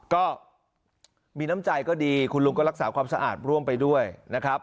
ก็มีน้ำใจก็ดีคุณลุงก็รักษาความสะอาดร่วมไปด้วยนะครับ